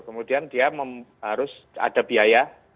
kemudian dia harus ada biaya